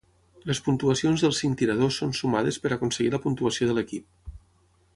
Les puntuacions dels cinc tiradors són sumades per aconseguir la puntuació de l'equip.